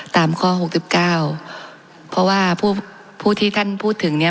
ตามข้อหกสิบเก้าเพราะว่าผู้ที่ท่านพูดถึงเนี้ย